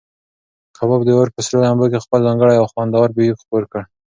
کباب د اور په سرو لمبو کې خپل ځانګړی او خوندور بوی خپور کړ.